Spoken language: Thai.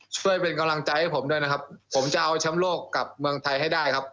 ช่วยเป็นกำลังใจให้ผมด้วยนะครับผมจะเอาแชมป์โลกกลับเมืองไทยให้ได้ครับ